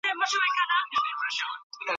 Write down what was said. کله ستونزي موږ ته د لا زیات زغم درس راکوي؟